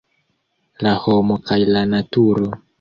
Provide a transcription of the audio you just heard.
La homo kaj la naturo.